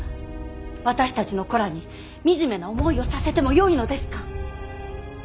私たちの子らに惨めな思いをさせてもよいのですか。